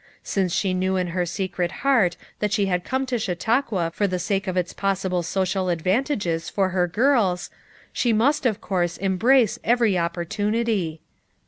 Since she knew in her secret heart that she had come to Chautauqua for the sake of its possible social advantages for her girls, she must of course embrace every opportunity.